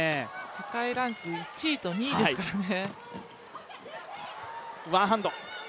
世界ランク１位と２位ですからね。